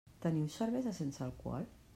Teniu cervesa sense alcohol?